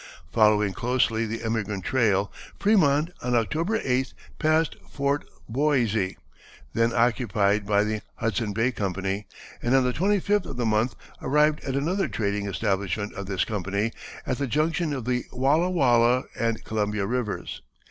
Following closely the emigrant trail Frémont, on October 8th, passed Fort Boisé, then occupied by the Hudson Bay Company, and on the 25th of the month arrived at another trading establishment of this company, at the junction of the Walla Walla and Columbia Rivers.